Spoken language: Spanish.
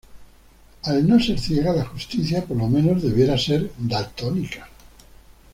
Al no ser ciega, la justicia, por lo menos debíera ser daltónica